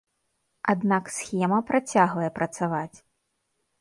Аднак схема працягвае працаваць.